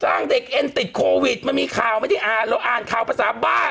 เด็กเอ็นติดโควิดมันมีข่าวไม่ได้อ่านเราอ่านข่าวภาษาบ้าน